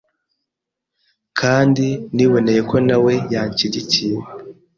kandi niboneye ko na we yanshyigikiye